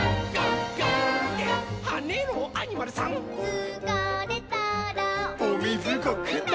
「つかれたらおみずゴックンだ」